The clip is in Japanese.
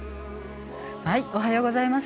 おはようございます。